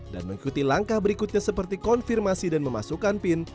dan mengikuti langkah berikutnya seperti konfirmasi dan memasukkan pin